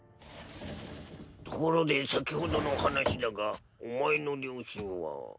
ところで先ほどの話だがお前の両親は。